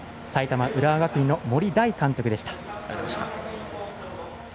埼玉・浦和学院の森大監督でした。